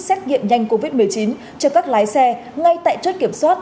xét nghiệm nhanh covid một mươi chín cho các lái xe ngay tại chốt kiểm soát